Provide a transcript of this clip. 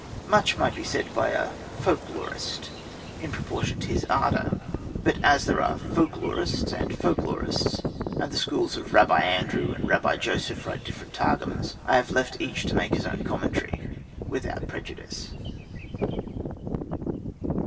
Much might be said by a "folk lorist" in proportion to his ardour. But as there are folk lorists and folk lorists, and the schools of Rabbi Andrew and Rabbi Joseph write different targums, I have left each to make his own commentary without prejudice.